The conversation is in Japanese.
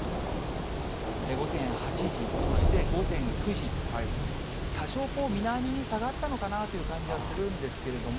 午前８時、そして午前９時、多少、南に下がったのかなという感じはするんですけれども。